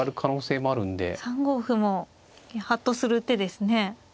３五歩もハッとする手ですね。